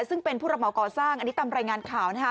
ซึ่งเป็นผู้ระเหมาก่อสร้างอันนี้ตามรายงานข่าวนะฮะ